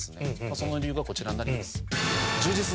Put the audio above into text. その理由がこちらになります。